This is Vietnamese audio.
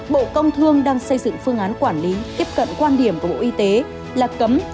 bộ công thương đang xây dựng phương án quản lý tiếp cận quan điểm của bộ y tế là cấm